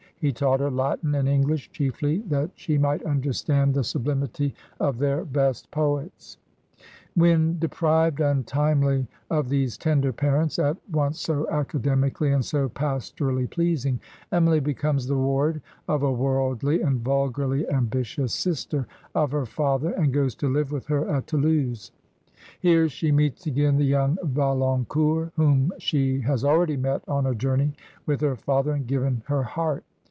He taught her Latin and Eng lish, chiefly that she might imderstand the sublimity of their best poets."' When deprived tmtimely of these tender parents, at once so academically and so pastorally pleasing, Emily becomes the ward of a worldly and vulgarly ambitious sister of her father, and goes to live with her at Toulouse. Here she meets again the yoimg Valancourt whom she has already met on a journey with her father and given her heart.